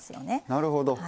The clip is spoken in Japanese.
なるほど。